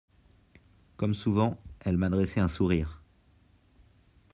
Comme souvent, elle m'adressait un sourire.